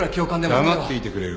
黙っていてくれるか？